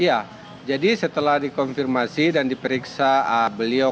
iya jadi setelah dikonfirmasi dan diperiksa beliau